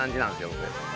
僕。